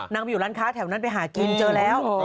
ไปอยู่ร้านค้าแถวนั้นไปหากินเจอแล้ว